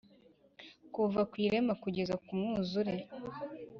Kuva ku irema kugeza ku mwuzure